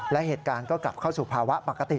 และเหตุการณ์ก็กลับเข้าสู่ภาวะปกติ